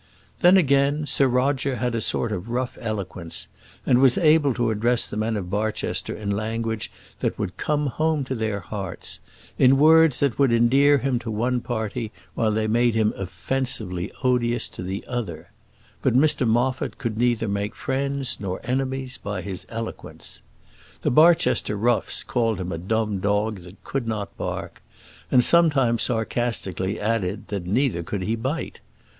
Then again, Sir Roger had a sort of rough eloquence, and was able to address the men of Barchester in language that would come home to their hearts, in words that would endear him to one party while they made him offensively odious to the other; but Mr Moffat could make neither friends nor enemies by his eloquence. The Barchester roughs called him a dumb dog that could not bark, and sometimes sarcastically added that neither could he bite.